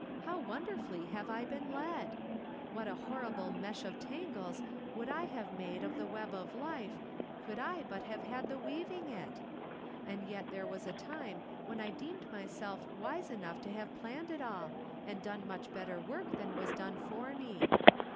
How wonderfully have I been led ! What a horrible mesh of tangles would I have made of the web of life could I but have had the weaving it! And yet there was a time when I deemed myself wise enough to have planned it all, and dona 362 I'rom Different Standpoints. mucli better worli: than was done for me.